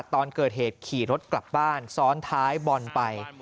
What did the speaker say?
ตอนเกิดเหตุขี่รถกลับบ้านซ้อนท้ายบอลไป